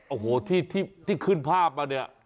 โอ้โหที่ขึ้นภาพมาเนี่ย